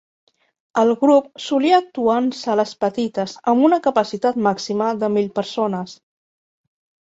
El grup solia actuar en sales petites amb una capacitat màxima de mil persones.